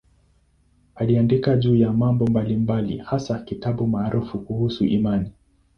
Aliandika juu ya mambo mbalimbali, hasa kitabu maarufu kuhusu imani.